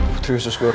putri gue sus goreng